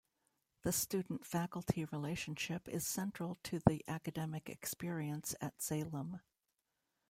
The student-faculty relationship is central to the academic experience at Salem.